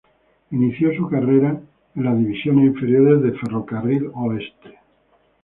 Inició su carrera en las divisiones inferiores de Ferrocarril Oeste.